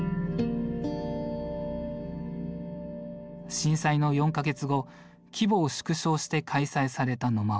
震災の４か月後規模を縮小して開催された野馬追。